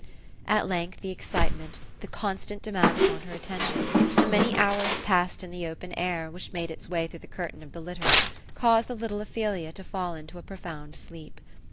At length the excitement, the con stant demand upon her attention, the many hours past in the open air which made its way through the curtain of the litter, caused the little Ophelia to fall into a profound sleep.